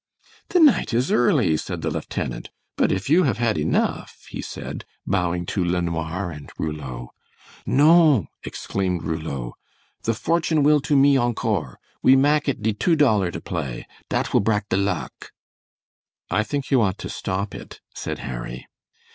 "The night is early," said the lieutenant, "but if you have had enough," he said, bowing to LeNoir and Rouleau. "Non!" exclaimed Rouleau, "the fortune will to me encore. We mak it de two dollar to play. Dat will brak de luck." "I think you ought to stop it," said Harry.